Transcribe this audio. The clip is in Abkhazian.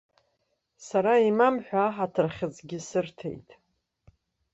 Сара имам ҳәа аҳаҭыр хьыӡгьы сырҭеит.